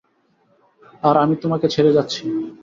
আর আমি তোমাকে ছেড়ে যাচ্ছি।